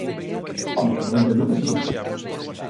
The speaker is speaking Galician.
¡Home, eu entendo que si!